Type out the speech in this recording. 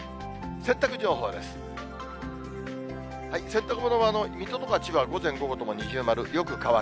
洗濯物は水戸とか千葉は午前、午後とも二重丸、よく乾く。